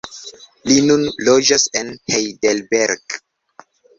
Li nun loĝas en Heidelberg.